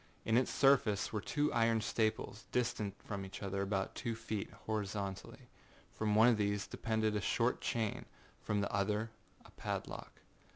In its surface were two iron staples, distant from each other about two feet, horizontally. From one of these depended a short chain, from the other a padlock.